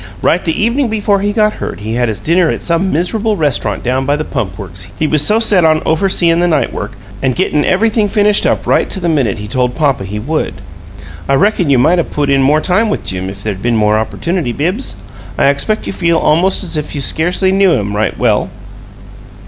Right the evening before he got hurt he had his dinner at some miser'ble rest'rant down by the Pump Works, he was so set on overseein' the night work and gettin' everything finished up right to the minute he told papa he would. I reckon you might 'a' put in more time with Jim if there'd been more opportunity, Bibbs. I expect you feel almost as if you scarcely really knew him right well."